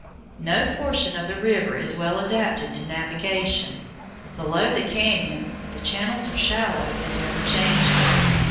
No portion of the river is well adapted to navigation. Below the cañon the channels are shallow and ever changing.